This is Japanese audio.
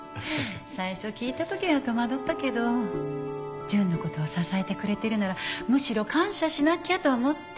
最初聞いた時は戸惑ったけど純の事を支えてくれてるならむしろ感謝しなきゃと思って。